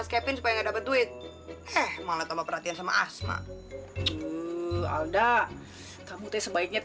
sampai jumpa di video selanjutnya